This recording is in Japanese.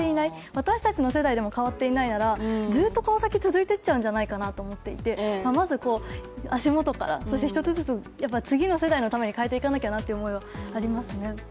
私たちの世代でも変わっていないならずっとこの先続いていっちゃうんじゃないかなと思っていて、まず足元から、一つずつ、次の世代のために変えていかなきゃなという思いはありますね。